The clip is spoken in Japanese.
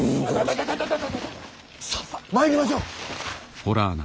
さあ参りましょう！